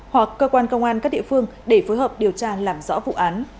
hoặc cơ quan công an các địa phương để phối hợp điều tra làm rõ vụ án